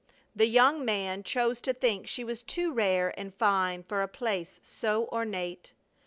The young man chose to think she was too rare and fine for a place so ornate.